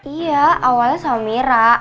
iya awalnya sama mira